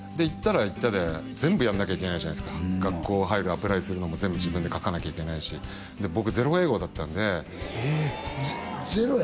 行ったら行ったで全部やんなきゃいけないじゃないですか学校入るアプライするのも全部自分で書かなきゃいけないし僕ゼロ英語だったんでええ！